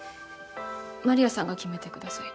丸谷さんが決めてください。